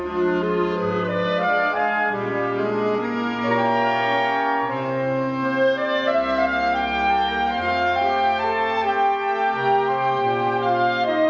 โปรดติดตามต่อไป